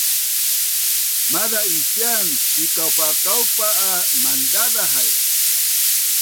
Maaz a isian sikaupakaupa a mandaza hai